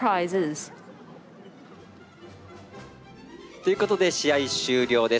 ということで試合終了です。